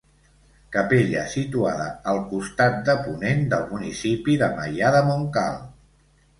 Capella situada al costat de ponent del municipi de Maià de Montcal.